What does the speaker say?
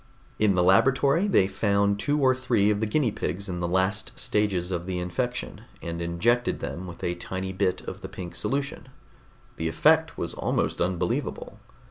In the laboratory they found two or three of the guinea pigs in the last stages of the infection, and injected them with a tiny bit of the pink solution. The effect was almost unbelievable.